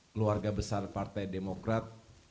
keluarga besar partai demokrat